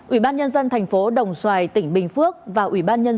ủy ban nhân dân thành phố đồng xoài tỉnh bình phước và ủy ban nhân dân phố hà nội